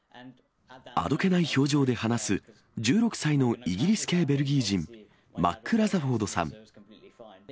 あどけない表情で話す、１６歳のイギリス系ベルギー人、マック・ラザフォードさん。